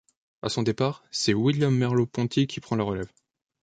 À son départ, c'est William Merlaud-Ponty qui prend la relève.